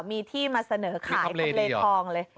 มีที่มาเสนอขายทำเลทองเลย